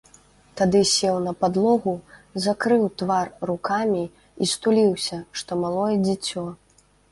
Тады сеў на падлогу, закрыў твар рукамі і стуліўся, што малое дзіцё.